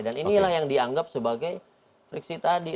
dan inilah yang dianggap sebagai friksi tadi